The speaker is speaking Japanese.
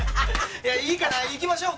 いやいいから行きましょう。